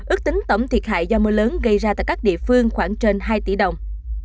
ước tính tổng thiệt hại do mưa lớn gây ra tại các địa phương khoảng trên hai tỷ đồng